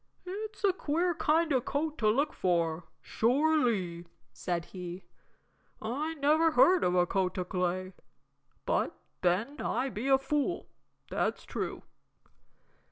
"It's a queer kind of coat to look for, sure ly," said he, "I never heard of a coat o' clay. But then I be a fool, that's true."